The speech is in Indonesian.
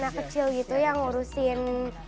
jaga warna kecil gitu yang urusin